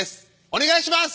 お願いします！